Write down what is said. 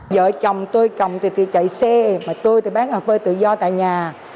vợ chồng tôi chồng thì chạy xe mà tôi thì bán hộp vơi tự do tại nhà